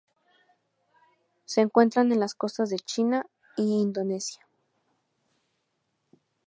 Se encuentran en las costas de China y Indonesia.